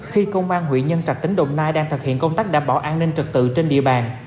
khi công an huyện nhân trạch tỉnh đồng nai đang thực hiện công tác đảm bảo an ninh trật tự trên địa bàn